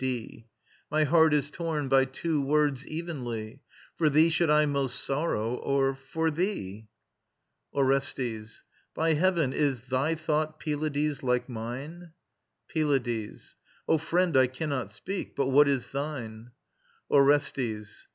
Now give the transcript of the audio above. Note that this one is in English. D. My heart is torn by two words evenly, For thee should I most sorrow, or for thee? ORESTES. By heaven, is THY thought, Pylades, like mine? PYLADES. O friend, I cannot speak. But what is thine? ORESTES.